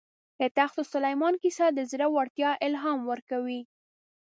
د تخت سلیمان کیسه د زړه ورتیا الهام ورکوي.